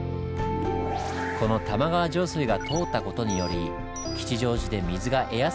この玉川上水が通った事により吉祥寺で水が得やすくなりました。